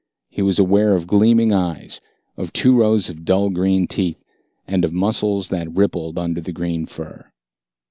He was aware of gleaming eyes, of two rows of dull green teeth, and of muscles that rippled under the green fur.